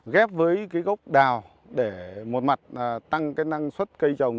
ghép với cái gốc đào để một mặt tăng cái năng suất cây trồng